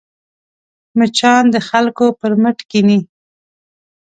مچان د خلکو پر مټ کښېني